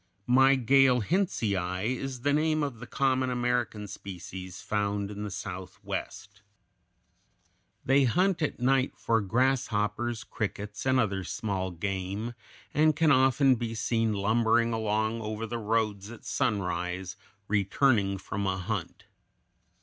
Mygale Hentzii is the name of the common American species found in the southwest (Fig. 177). They hunt at night for grasshoppers, crickets, and other small game, and can often be seen lumbering along over the roads at sunrise, returning from a hunt.